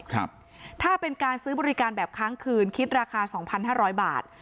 ถ้าเป็นการซื้อบริการแบบค้างคืนคิดราคาสองพันห้าร้อยบาท